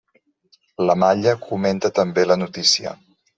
La Malla comenta també la notícia.